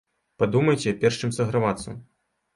Падумайце, перш чым сагравацца.